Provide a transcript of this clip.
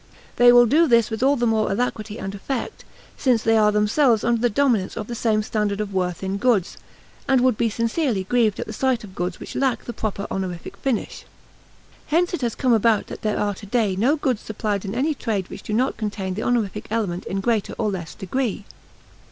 They will do this with all the more alacrity and effect, since they are themselves under the dominance of the same standard of worth in goods, and would be sincerely grieved at the sight of goods which lack the proper honorific finish. Hence it has come about that there are today no goods supplied in any trade which do not contain the honorific element in greater or less degree.